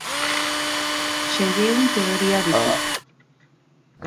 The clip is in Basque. Seiehun teoria ditu.